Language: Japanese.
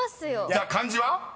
［じゃあ漢字は？］